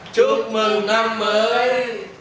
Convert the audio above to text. một hai ba chúc mừng năm mới